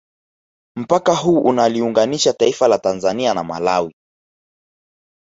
Mpaka huu unaliunganisha taifa la Tanzania na Malawi